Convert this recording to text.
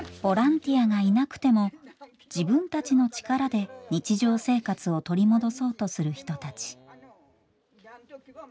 ボランティアがいなくても自分たちの力で日常生活を取り戻そうとする人たち。